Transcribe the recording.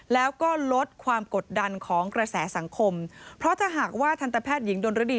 แล้วก็ลดความกดดันของกระแสสังคมเพราะถ้าหากว่าทันตแพทย์หญิงดนรดี